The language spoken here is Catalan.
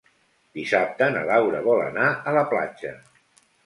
Dissabte na Laura vol anar a la platja.